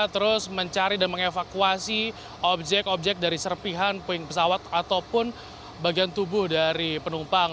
terus mencari dan mengevakuasi objek objek dari serpihan puing pesawat ataupun bagian tubuh dari penumpang